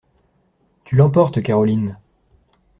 Tu l'emportes, Caroline!